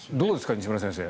西村先生